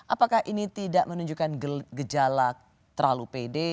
apakah ini tidak menunjukkan gejala terlalu pede